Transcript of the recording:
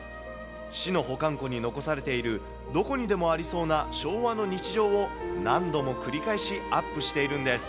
市の保管庫に残されているどこにでもありそうな昭和の日常を何度も繰り返しアップしているんです。